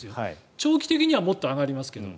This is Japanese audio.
長期的にはもっと上がりますが。